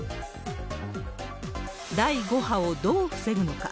第５波をどう防ぐのか。